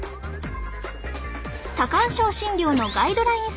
多汗症診療のガイドライン